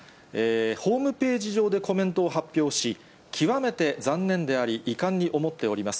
ホームページ上でコメントを発表し、極めて残念であり、遺憾に思っております。